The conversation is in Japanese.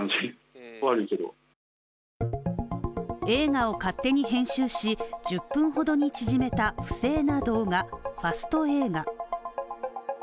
映画を勝手に編集し、１０分ほどに縮めた不正な動画、ファスト映画。